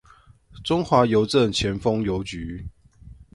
中華郵政前峰郵局